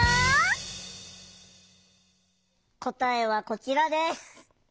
答えはこちらです。